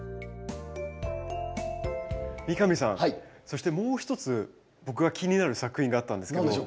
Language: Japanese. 三上さんそしてもう一つ僕が気になる作品があったんですけど。